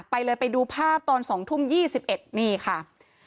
ไปเลยไปดูภาพตอน๒ทุ่ม๒๑นี่ค่ะ